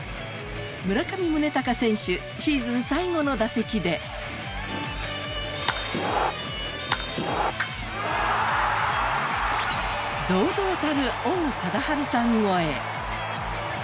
村上宗隆選手、シーズン最後の打席で堂々たる王貞治さん超え。